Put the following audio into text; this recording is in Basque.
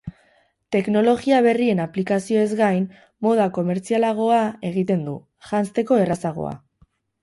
Teknologia berrien aplikazioez gain, moda komertzialagoa egiten du, janzteko errazagoa.